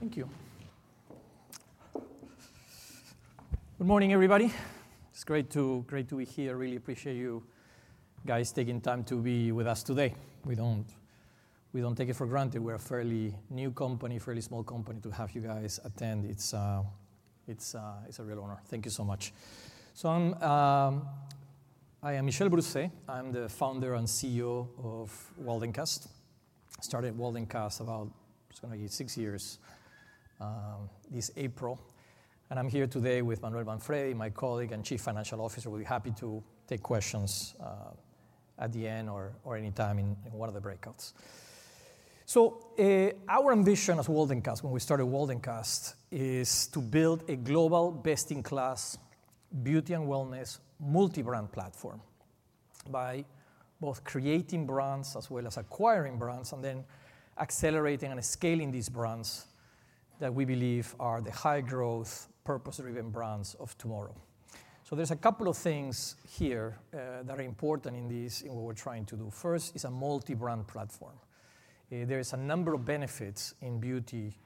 Thank you. Good morning, everybody. It's great to be here. Really appreciate you guys taking time to be with us today. We don't take it for granted. We're a fairly new company, fairly small company to have you guys attend. It's a real honor. Thank you so much. So I am Michel Brousset. I'm the founder and CEO of Waldencast. I started Waldencast. It's going to be six years this April. And I'm here today with Manuel Manfredi, my colleague and Chief Financial Officer. We'll be happy to take questions at the end or any time in one of the breakouts. Our ambition as Waldencast, when we started Waldencast, is to build a global best-in-class beauty and wellness multi-brand platform by both creating brands as well as acquiring brands, and then accelerating and scaling these brands that we believe are the high-growth, purpose-driven brands of tomorrow. There's a couple of things here that are important in this, in what we're trying to do. First is a multi-brand platform. There is a number of benefits in beauty,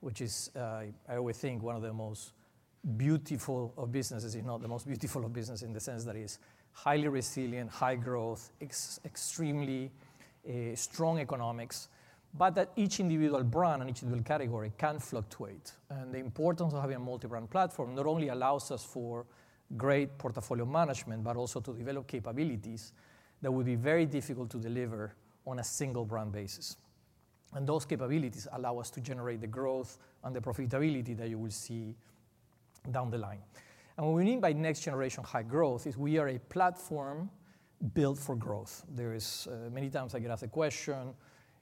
which is, I always think, one of the most beautiful of businesses, if not the most beautiful of businesses in the sense that it is highly resilient, high growth, extremely strong economics, but that each individual brand and each individual category can fluctuate. The importance of having a multi-brand platform not only allows us for great portfolio management, but also to develop capabilities that would be very difficult to deliver on a single brand basis. And those capabilities allow us to generate the growth and the profitability that you will see down the line. And what we mean by next-generation high growth is we are a platform built for growth. There is. Many times I get asked a question,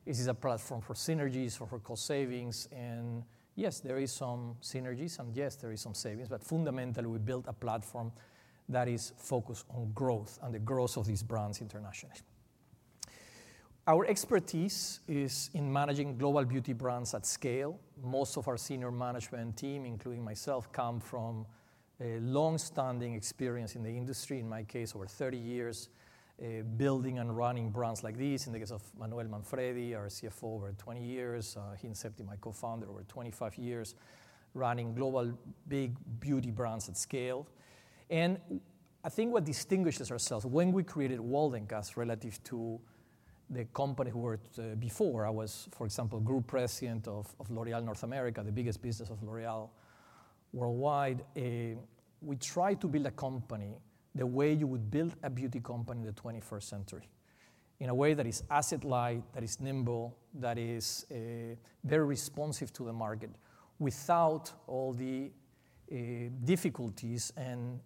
"Is this a platform for synergies or for cost savings?" And yes, there is some synergies, and yes, there is some savings. But fundamentally, we built a platform that is focused on growth and the growth of these brands internationally. Our expertise is in managing global beauty brands at scale. Most of our senior management team, including myself, come from long-standing experience in the industry, in my case, over 30 years, building and running brands like these. In the case of Manuel Manfredi, our CFO, over 20 years. He and Sebti, my co-founder, over 25 years, running global big beauty brands at scale, and I think what distinguishes ourselves, when we created Waldencast relative to the company we worked before, I was, for example, Group President of L'Oréal North America, the biggest business of L'Oréal worldwide. We tried to build a company the way you would build a beauty company in the 21st century, in a way that is asset-light, that is nimble, that is very responsive to the market, without all the difficulties and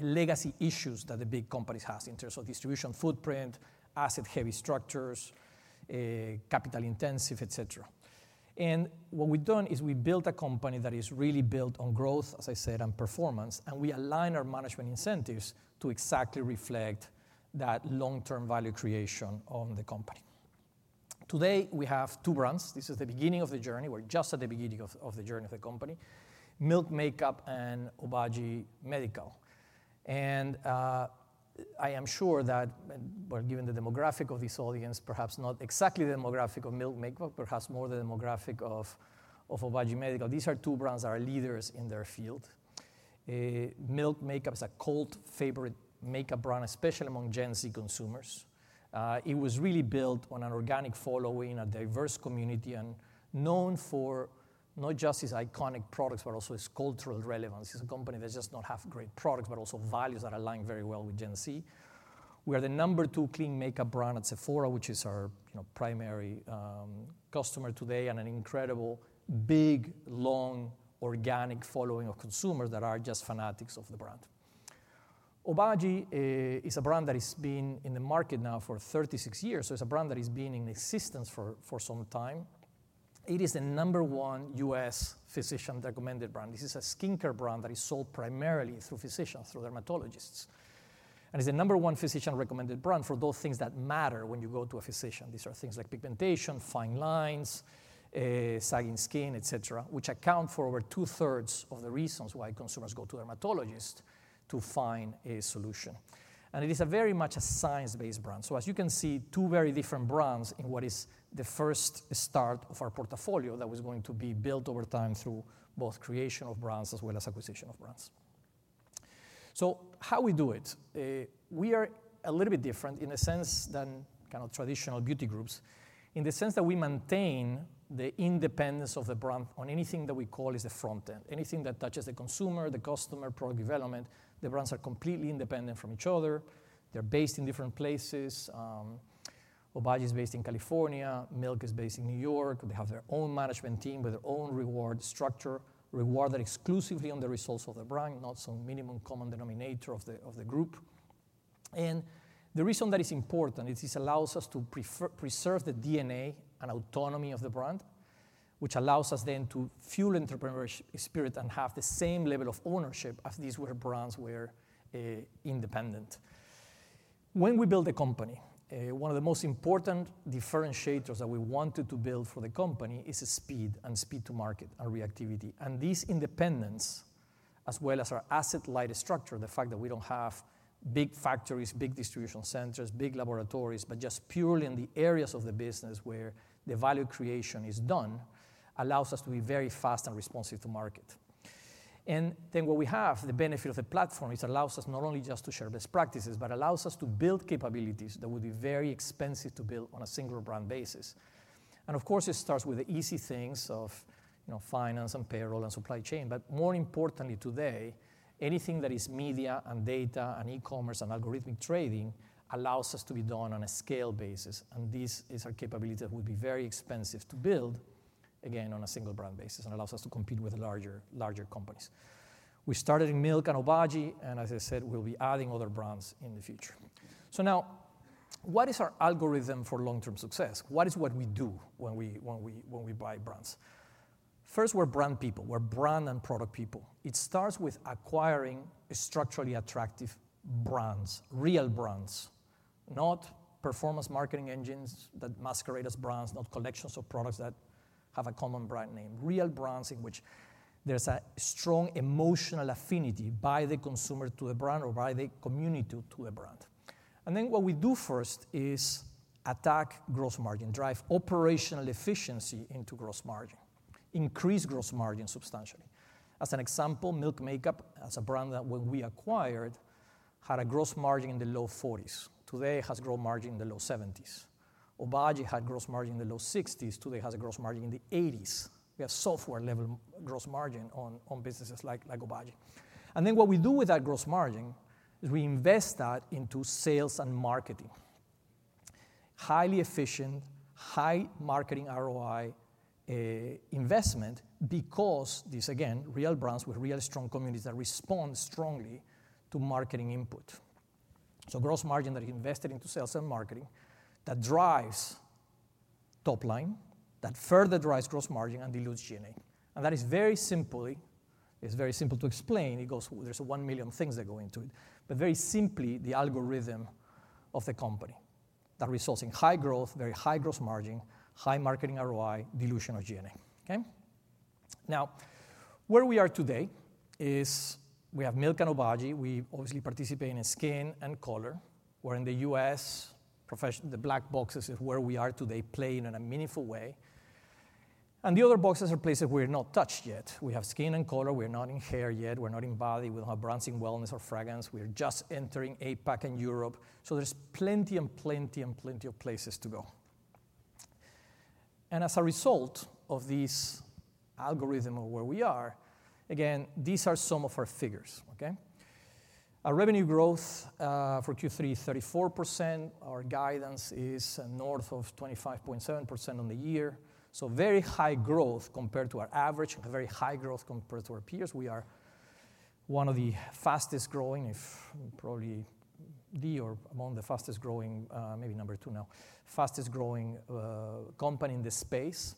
legacy issues that the big companies have in terms of distribution footprint, asset-heavy structures, capital-intensive, etc. And what we've done is we built a company that is really built on growth, as I said, and performance. And we align our management incentives to exactly reflect that long-term value creation on the company. Today, we have two brands. This is the beginning of the journey. We're just at the beginning of the journey of the company: Milk Makeup and Obagi Medical. And I am sure that, well, given the demographic of this audience, perhaps not exactly the demographic of Milk Makeup, perhaps more the demographic of Obagi Medical. These are two brands that are leaders in their field. Milk Makeup is a cult favorite makeup brand, especially among Gen Z consumers. It was really built on an organic following, a diverse community, and known for not just its iconic products, but also its cultural relevance. It's a company that does not have great products, but also values that align very well with Gen Z. We are the number two clean makeup brand at Sephora, which is our primary customer today, and an incredible big, long, organic following of consumers that are just fanatics of the brand. Obagi is a brand that has been in the market now for 36 years. So it's a brand that has been in existence for some time. It is the number one U.S. physician-recommended brand. This is a skincare brand that is sold primarily through physicians, through dermatologists. And it's the number one physician-recommended brand for those things that matter when you go to a physician. These are things like pigmentation, fine lines, sagging skin, etc., which account for over two-thirds of the reasons why consumers go to a dermatologist to find a solution. It is very much a science-based brand. As you can see, two very different brands in what is the first start of our portfolio that was going to be built over time through both creation of brands as well as acquisition of brands. How we do it? We are a little bit different in a sense than kind of traditional beauty groups, in the sense that we maintain the independence of the brand on anything that we call is the front end. Anything that touches the consumer, the customer, product development, the brands are completely independent from each other. They're based in different places. Obagi is based in California. Milk is based in New York. They have their own management team with their own reward structure, rewarded exclusively on the results of the brand, not some minimum common denominator of the group. And the reason that is important. It allows us to preserve the DNA and autonomy of the brand, which allows us then to fuel entrepreneurial spirit and have the same level of ownership as these brands were independent. When we build a company, one of the most important differentiators that we wanted to build for the company is speed and speed to market and reactivity. And this independence, as well as our asset-light structure, the fact that we don't have big factories, big distribution centers, big laboratories, but just purely in the areas of the business where the value creation is done, allows us to be very fast and responsive to market. And then what we have, the benefit of the platform, is it allows us not only just to share best practices, but allows us to build capabilities that would be very expensive to build on a single brand basis. And of course, it starts with the easy things of finance and payroll and supply chain. But more importantly today, anything that is media and data and e-commerce and algorithmic trading allows us to be done on a scale basis. And this is a capability that would be very expensive to build, again, on a single brand basis and allows us to compete with larger companies. We started in Milk and Obagi, and as I said, we'll be adding other brands in the future. So now, what is our algorithm for long-term success? What is what we do when we buy brands? First, we're brand people. We're brand and product people. It starts with acquiring structurally attractive brands, real brands, not performance marketing engines that masquerade as brands, not collections of products that have a common brand name. Real brands in which there's a strong emotional affinity by the consumer to the brand or by the community to the brand, and then what we do first is attack gross margin, drive operational efficiency into gross margin, increase gross margin substantially. As an example, Milk Makeup, as a brand that when we acquired, had a gross margin in the low 40s. Today, it has gross margin in the low 70s. Obagi had gross margin in the low 60s. Today, it has a gross margin in the 80s. We have software-level gross margin on businesses like Obagi, and then what we do with that gross margin is we invest that into sales and marketing. Highly efficient, high marketing ROI investment because these, again, real brands with real strong communities that respond strongly to marketing input. So gross margin that is invested into sales and marketing that drives top line, that further drives gross margin and dilutes G&A. And that is very simply, it's very simple to explain. It goes through, there's one million things that go into it. But very simply, the algorithm of the company that results in high growth, very high gross margin, high marketing ROI, dilution of G&A. Okay? Now, where we are today is we have Milk and Obagi. We obviously participate in skin and color. We're in the U.S. Professional. The black boxes is where we are today playing in a meaningful way. And the other boxes are places we're not touched yet. We have skin and color. We're not in hair yet. We're not in body. We don't have brands in wellness or fragrance. We're just entering APAC and Europe. So there's plenty and plenty and plenty of places to go. And as a result of this algorithm of where we are, again, these are some of our figures. Okay? Our revenue growth for Q3 is 34%. Our guidance is north of 25.7% on the year. So very high growth compared to our average, very high growth compared to our peers. We are one of the fastest growing, if probably the or among the fastest growing, maybe number two now, fastest growing company in the space.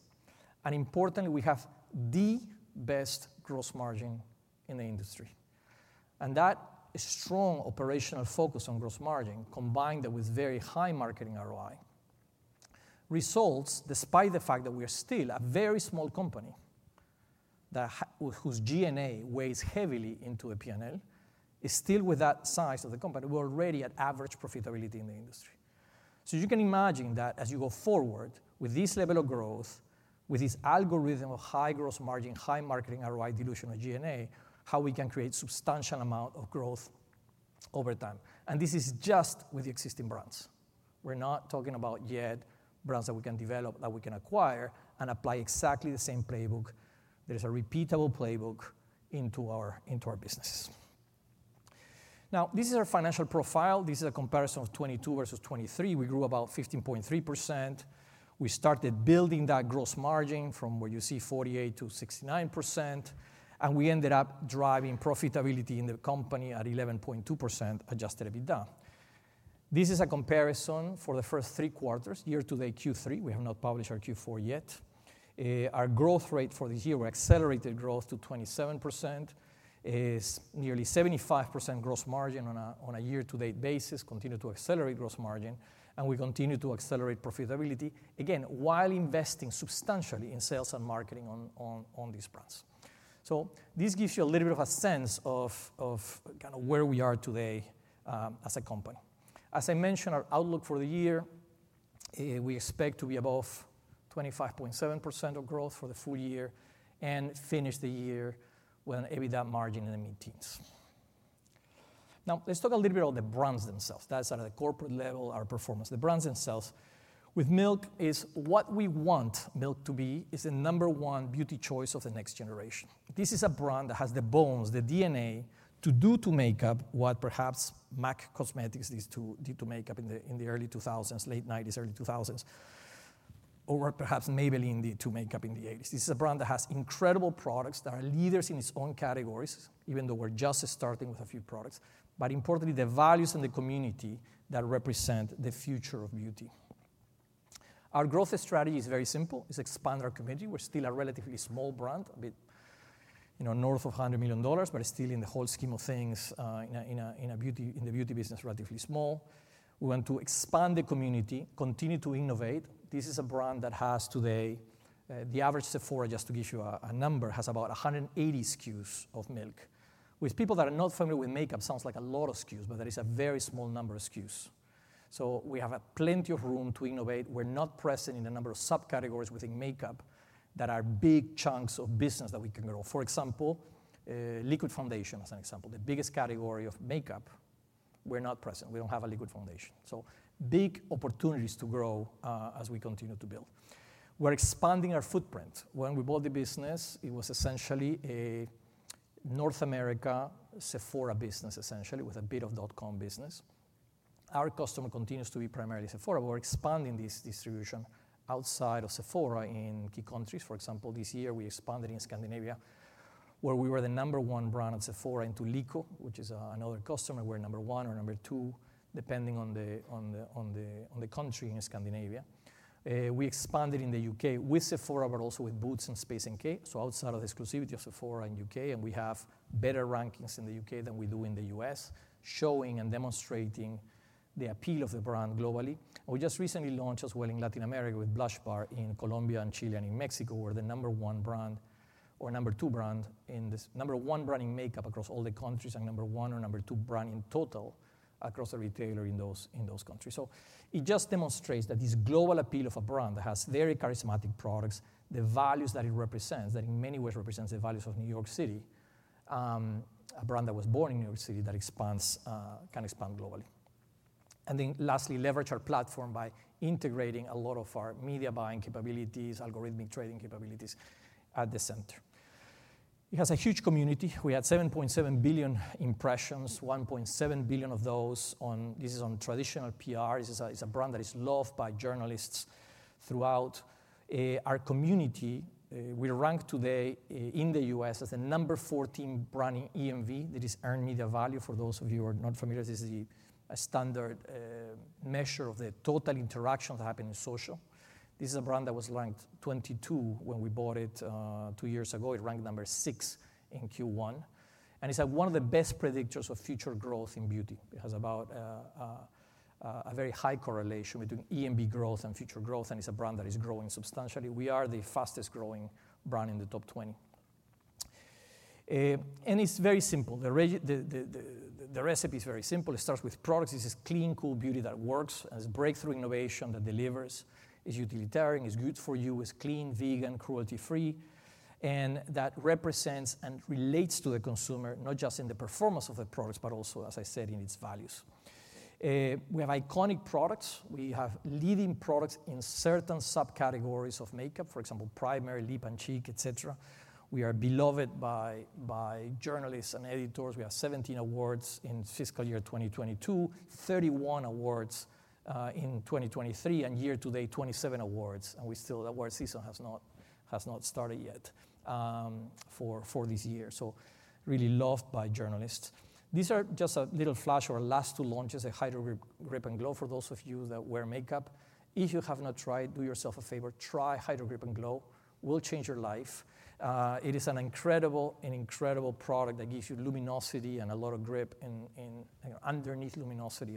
And importantly, we have the best gross margin in the industry. That strong operational focus on gross margin, combined with very high marketing ROI, results, despite the fact that we are still a very small company whose G&A weighs heavily into a P&L, is still with that size of the company, we're already at average profitability in the industry. You can imagine that as you go forward with this level of growth, with this algorithm of high gross margin, high marketing ROI, dilution of G&A, how we can create a substantial amount of growth over time. This is just with the existing brands. We're not talking about yet brands that we can develop, that we can acquire and apply exactly the same playbook. There is a repeatable playbook into our businesses. Now, this is our financial profile. This is a comparison of 2022 versus 2023. We grew about 15.3%. We started building that gross margin from where you see 48% to 69%, and we ended up driving profitability in the company at 11.2%, Adjusted EBITDA. This is a comparison for the first three quarters, year to date, Q3. We have not published our Q4 yet. Our growth rate for this year, we accelerated growth to 27%. It's nearly 75% gross margin on a year-to-date basis. Continue to accelerate gross margin, and we continue to accelerate profitability, again, while investing substantially in sales and marketing on these brands, so this gives you a little bit of a sense of kind of where we are today as a company. As I mentioned, our outlook for the year, we expect to be above 25.7% of growth for the full year and finish the year with an EBITDA margin in the mid-teens. Now, let's talk a little bit about the brands themselves. That's at the corporate level, our performance. The brands themselves, with Milk, is what we want Milk to be is the number one beauty choice of the next generation. This is a brand that has the bones, the DNA to do to makeup what perhaps MAC Cosmetics did to makeup in the early 2000s, late 1990s, early 2000s, or perhaps Maybelline did to makeup in the 1980s. This is a brand that has incredible products that are leaders in its own categories, even though we're just starting with a few products. But importantly, the values and the community that represent the future of beauty. Our growth strategy is very simple. It's expand our community. We're still a relatively small brand, a bit north of $100 million, but still in the whole scheme of things in the beauty business, relatively small. We want to expand the community, continue to innovate. This is a brand that today, the average Sephora, just to give you a number, has about 180 SKUs of Milk. With people that are not familiar with makeup, sounds like a lot of SKUs, but that is a very small number of SKUs. So we have plenty of room to innovate. We're not present in a number of subcategories within makeup that are big chunks of business that we can grow. For example, liquid foundation, as an example. The biggest category of makeup, we're not present. We don't have a liquid foundation. So big opportunities to grow as we continue to build. We're expanding our footprint. When we bought the business, it was essentially a North America Sephora business, essentially, with a bit of dot-com business. Our customer continues to be primarily Sephora. We're expanding this distribution outside of Sephora in key countries. For example, this year, we expanded in Scandinavia, where we were the number one brand at Sephora into Lyko, which is another customer. We're number one or number two, depending on the country in Scandinavia. We expanded in the U.K. with Sephora, but also with Boots and Space NK, so outside of the exclusivity of Sephora in the U.K., and we have better rankings in the U.K. than we do in the U.S., showing and demonstrating the appeal of the brand globally. We just recently launched, as well, in Latin America with Blush-Bar in Colombia and Chile and in Mexico. We're the number one brand or number two brand in this number one brand in makeup across all the countries and number one or number two brand in total across the retailer in those countries. So it just demonstrates that this global appeal of a brand that has very charismatic products, the values that it represents, that in many ways represents the values of New York City, a brand that was born in New York City that can expand globally. And then lastly, leverage our platform by integrating a lot of our media buying capabilities, algorithmic trading capabilities at the center. It has a huge community. We had 7.7 billion impressions, 1.7 billion of those on this is on traditional PR. It is a brand that is loved by journalists throughout our community. We are ranked today in the U.S. as the number 14 brand in EMV. This is earned media value. For those of you who are not familiar, this is a standard measure of the total interaction that happened in social. This is a brand that was ranked 22 when we bought it two years ago. It ranked number 6 in Q1. And it's one of the best predictors of future growth in beauty. It has about a very high correlation between EMV growth and future growth. And it's a brand that is growing substantially. We are the fastest growing brand in the top 20. And it's very simple. The recipe is very simple. It starts with products. This is clean, cool beauty that works. It's breakthrough innovation that delivers. It's utilitarian. It's good for you. It's clean, vegan, cruelty-free. And that represents and relates to the consumer, not just in the performance of the products, but also, as I said, in its values. We have iconic products. We have leading products in certain subcategories of makeup, for example, primer, lip and cheek, etc. We are beloved by journalists and editors. We have 17 awards in fiscal year 2022, 31 awards in 2023, and year to date, 27 awards, and we still, our season has not started yet for this year, so really loved by journalists. These are just a little flash of our last two launches, Hydro Grip and Glow, for those of you that wear makeup. If you have not tried, do yourself a favor. Try Hydro Grip and Glow. It will change your life. It is an incredible product that gives you luminosity and a lot of grip, underneath luminosity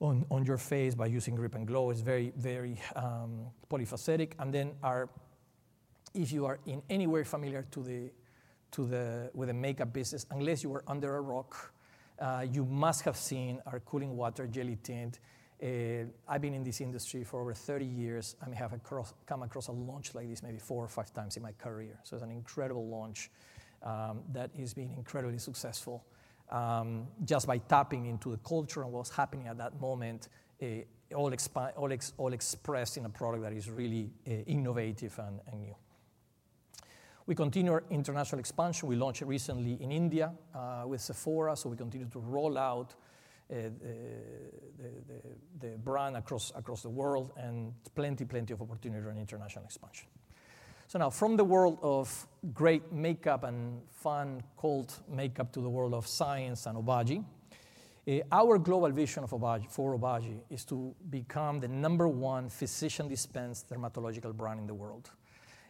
on your face by using Grip and Glow. It is very multifaceted. Then if you are in any way familiar with the makeup business, unless you were under a rock, you must have seen our Cooling Water Jelly Tint. I have been in this industry for over 30 years. I may have come across a launch like this maybe four or five times in my career, so it's an incredible launch that has been incredibly successful just by tapping into the culture and what's happening at that moment, all expressed in a product that is really innovative and new. We continue our international expansion. We launched recently in India with Sephora, so we continue to roll out the brand across the world, and plenty, plenty of opportunity around international expansion, so now, from the world of great makeup and fun cult makeup to the world of science and Obagi, our global vision for Obagi is to become the number one physician dispensed dermatological brand in the world,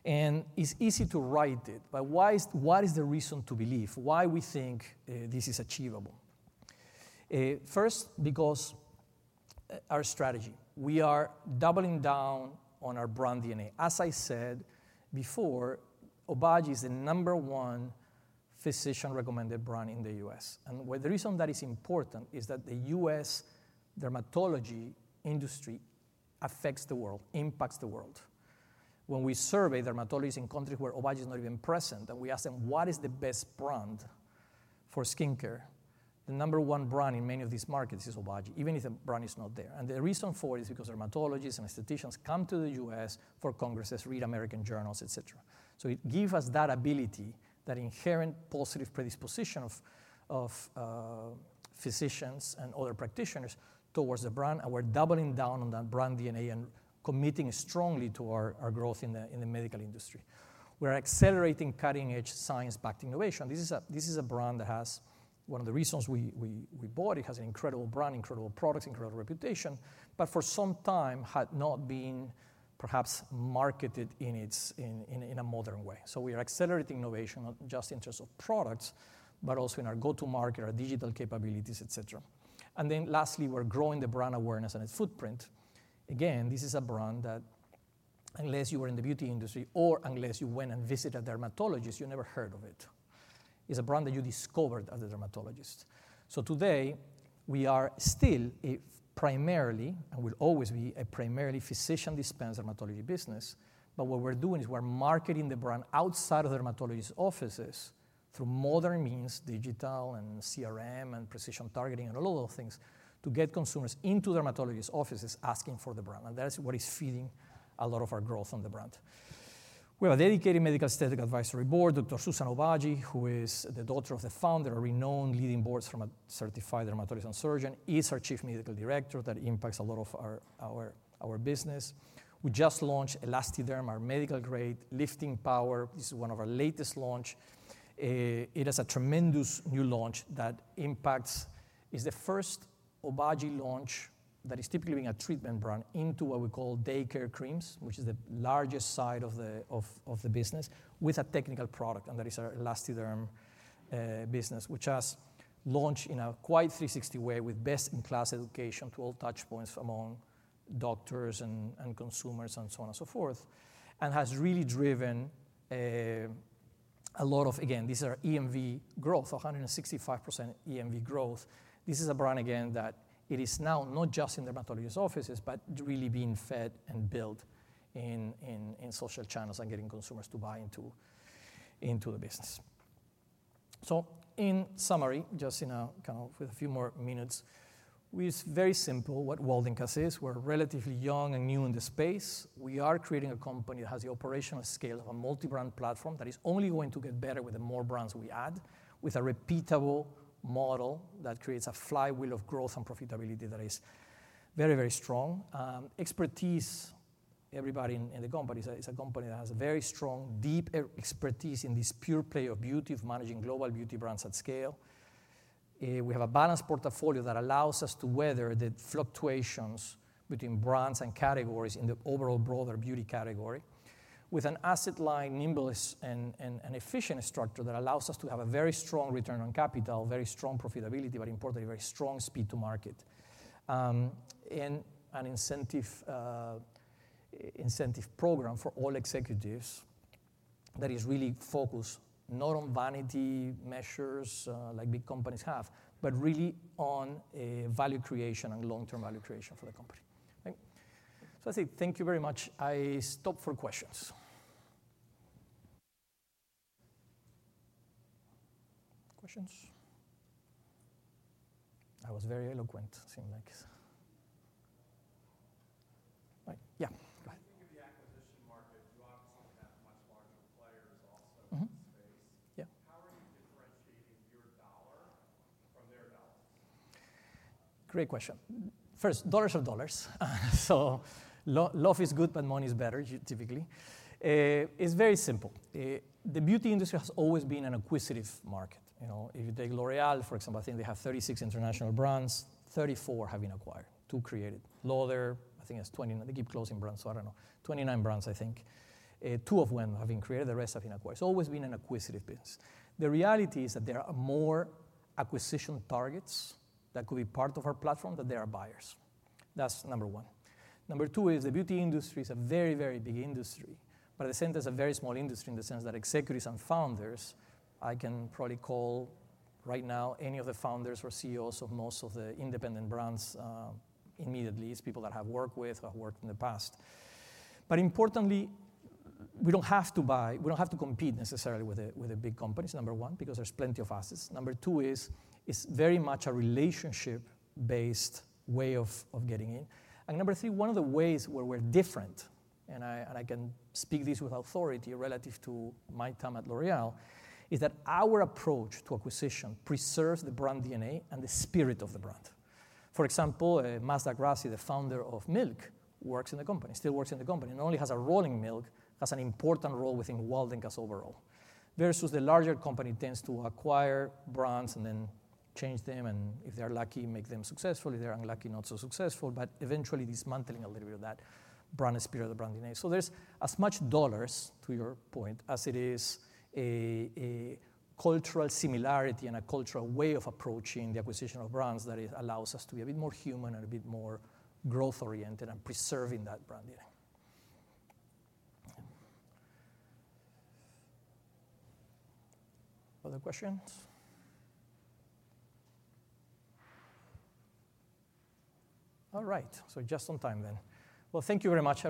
and it's easy to write it, but what is the reason to believe? Why we think this is achievable? First, because our strategy. We are doubling down on our brand DNA. As I said before, Obagi is the number one physician-recommended brand in the U.S. And the reason that is important is that the U.S. dermatology industry affects the world, impacts the world. When we survey dermatologists in countries where Obagi is not even present, and we ask them, "What is the best brand for skincare?" The number one brand in many of these markets is Obagi, even if the brand is not there. And the reason for it is because dermatologists and estheticians come to the U.S. for congresses, read American journals, etc. So it gives us that ability, that inherent positive predisposition of physicians and other practitioners towards the brand. And we're doubling down on that brand DNA and committing strongly to our growth in the medical industry. We are accelerating cutting-edge science-backed innovation. This is a brand that has one of the reasons we bought. It has an incredible brand, incredible products, incredible reputation, but for some time had not been perhaps marketed in a modern way. So we are accelerating innovation not just in terms of products, but also in our go-to market, our digital capabilities, etc. And then lastly, we're growing the brand awareness and its footprint. Again, this is a brand that unless you were in the beauty industry or unless you went and visited a dermatologist, you never heard of it. It's a brand that you discovered as a dermatologist. So today, we are still primarily, and will always be a primarily physician-dispensed dermatology business. But what we're doing is we're marketing the brand outside of dermatologists' offices through modern means, digital and CRM and precision targeting and all of those things to get consumers into dermatologists' offices asking for the brand. That is what is feeding a lot of our growth on the brand. We have a dedicated medical aesthetic advisory board, Dr. Suzan Obagi, who is the daughter of the founder, a renowned leading board certified dermatologist and surgeon, is our Chief Medical Director. That impacts a lot of our business. We just launched ELASTIderm, our medical-grade lifting power. This is one of our latest launches. It is a tremendous new launch that impacts. It's the first Obagi launch that is typically being a treatment brand into what we call day care creams, which is the largest side of the business with a technical product. And that is our ELASTIderm business, which has launched in a quite 360 way with best-in-class education to all touch points among doctors and consumers and so on and so forth, and has really driven a lot of, again, these are EMV growth, 165% EMV growth. This is a brand, again, that it is now not just in dermatologists' offices, but really being fed and built in social channels and getting consumers to buy into the business. So in summary, just kind of with a few more minutes, it is very simple what Waldencast is. We are relatively young and new in the space. We are creating a company that has the operational scale of a multi-brand platform that is only going to get better with the more brands we add, with a repeatable model that creates a flywheel of growth and profitability that is very, very strong. Expertise, everybody in the company. It's a company that has a very strong, deep expertise in this pure-play beauty of managing global beauty brands at scale. We have a balanced portfolio that allows us to weather the fluctuations between brands and categories in the overall broader beauty category with an asset-light, nimbleness, and efficient structure that allows us to have a very strong return on capital, very strong profitability, but importantly, very strong speed to market. An incentive program for all executives that is really focused not on vanity measures like big companies have, but really on value creation and long-term value creation for the company. So I say thank you very much. I stop for questions. Questions? That was very eloquent. Seemed like it. Yeah. Go ahead. Speaking of the acquisition market, you obviously have much larger players also in the space. How are you differentiating your dollar from their dollars? Great question. First, dollars are dollars. So love is good, but money is better, typically. It's very simple. The beauty industry has always been an acquisitive market. If you take L'Oréal, for example, I think they have 36 international brands, 34 have been acquired, two created. Lauder, I think has 29. They keep closing brands, so I don't know. 29 brands, I think. Two of them have been created. The rest have been acquired. It's always been an acquisitive business. The reality is that there are more acquisition targets that could be part of our platform than there are buyers. That's number one. Number two is the beauty industry is a very, very big industry. But at the same time, it's a very small industry in the sense that executives and founders, I can probably call right now any of the founders or CEOs of most of the independent brands immediately. It's people that I have worked with, who have worked in the past. But importantly, we don't have to buy. We don't have to compete necessarily with the big companies, number one, because there's plenty of assets. Number two is it's very much a relationship-based way of getting in. And number three, one of the ways where we're different, and I can speak this with authority relative to my time at L'Oréal, is that our approach to acquisition preserves the brand DNA and the spirit of the brand. For example, Mazdack Rassi, the founder of Milk, works in the company, still works in the company, and only has a role in Milk, has an important role within Waldencast overall. Versus the larger company tends to acquire brands and then change them, and if they're lucky, make them successful. If they're unlucky, not so successful, but eventually dismantling a little bit of that brand spirit, the brand DNA. So there's as much dollars, to your point, as it is a cultural similarity and a cultural way of approaching the acquisition of brands that allows us to be a bit more human and a bit more growth-oriented and preserving that brand DNA. Other questions? All right, so just on time then. Well, thank you very much.